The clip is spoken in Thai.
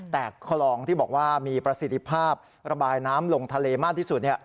แต่คลองที่บอกว่ามีประสิทธิภาพระบายน้ำลงทะเลมากที่สุด